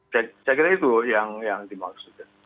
saya kira itu yang dimaksudkan